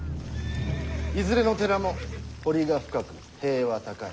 いずれの寺も堀が深く塀は高い。